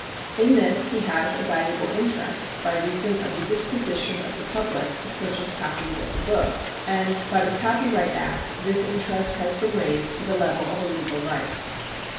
In this he has a valuable interest by reason of the disposition of the public to purchase copies of the book, and by the Copyright Act this interest has been raised to the level of a legal right.